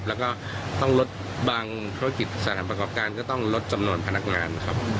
แล้วก็ต้องลดบางธุรกิจสถานประกอบการก็ต้องลดจำนวนพนักงานนะครับ